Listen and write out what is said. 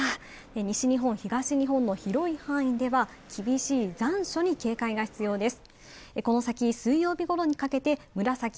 西日本、東日本の広い範囲では厳しい残暑に警戒が必要です。